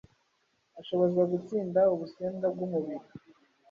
ashobozwa gutsinda ubusembwa bw’umubiri